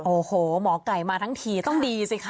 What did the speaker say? โอ้โหหมอไก่มาทั้งทีต้องดีสิคะ